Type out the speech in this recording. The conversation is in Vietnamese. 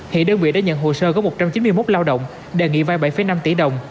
hiện đơn vị đã nhận hồ sơ của một trăm chín mươi một lao động đề nghị vay bảy năm tỷ đồng